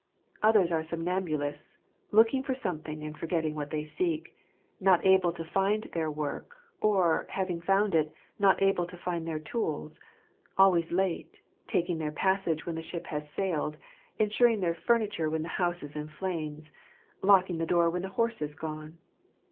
Others are somnambu lists, looking for something and forgetting what they seek ; not able to find their work, or, having found it, not able to find their tools : always late, taking their passage when the ship has sailed ; insuring their furniture when the house is in flames; locking the door when the horse is gone.